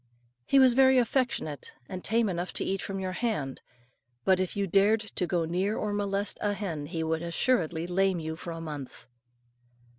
He was very affectionate, and tame enough to eat from your hand; but if you dared to go near or molest a hen, he would assuredly lame you for a month.